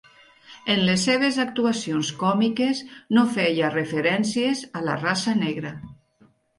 En les seves actuacions còmiques no feia referències a la raça negra.